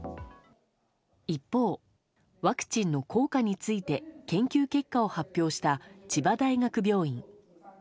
一方、ワクチンの効果について研究結果を発表した千葉大学病院。